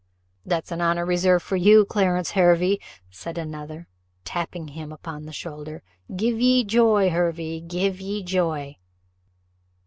"That's an honour reserved for you, Clarence Hervey," said another, tapping him upon the shoulder. "Give ye joy, Hervey; give ye joy!"